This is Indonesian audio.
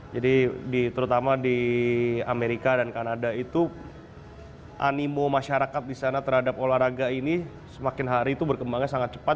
jadi terutama di amerika dan kanada itu animo masyarakat di sana terhadap olahraga ini semakin hari itu berkembangnya sangat cepat